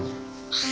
はい。